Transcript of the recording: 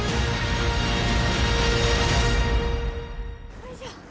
よいしょ。